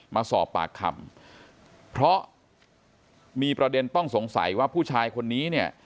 มาสอบปากคำเพราะมีประเด็นต้องสงสัยว่าผู้ชายคนนี้เนี่ย